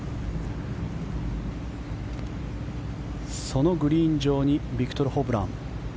そのグリーン上にビクトル・ホブラン。